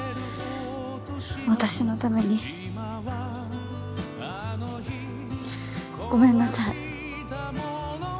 私のためにごめんなさい。